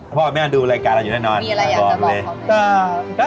ก็พ่อแม่นดูรายการล่ะอยู่แน่นอนครับผมเลยมีอะไรอยากจะบอกเขาไหม